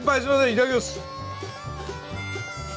いただきます。